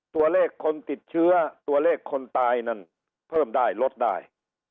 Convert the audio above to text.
ตัวเลขคนติดเชื้อตัวเลขคนตายนั่นเพิ่มได้ลดได้